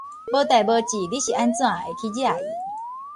無代無誌你是按怎會去惹伊？